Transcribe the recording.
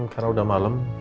karena udah malam